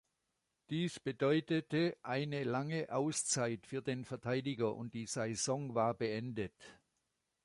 Dies bedeutete eine lange Auszeit für den Verteidiger und die Saison war beendet.